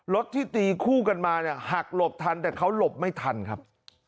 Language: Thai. รถที่ตีคู่กันมาเนี่ยหักหลบทันแต่เขาหลบไม่ทันครับ